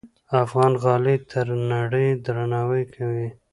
افغان غالۍ ته نړۍ درناوی کوي.